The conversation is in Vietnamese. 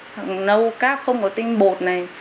thậm chí là nấu các không có tinh bột này